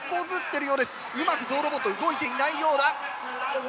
うまくゾウロボット動いていないようだ。